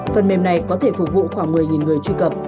phần mềm này có thể phục vụ khoảng một mươi người truy cập